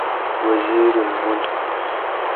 وزیرالملک